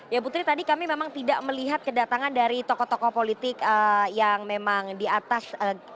ya putri tadi kami memang tidak melihat kedatangan dari tokoh tokoh politik yang memang di atas